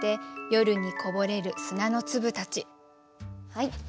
はい。